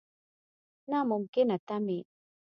نا ممکنه تمې.